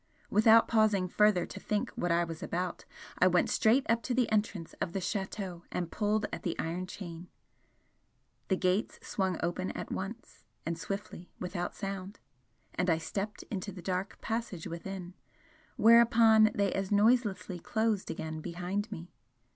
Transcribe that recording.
Without pausing further to think what I was about, I went straight up to the entrance of the Chateau and pulled at the iron chain. The gates swung open at once and swiftly, without sound and I stepped into the dark passage within whereupon they as noiselessly closed again behind me.